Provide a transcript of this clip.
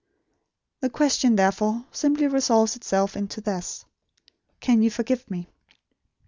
"The question, therefore, simply resolves itself into this: Can you forgive me?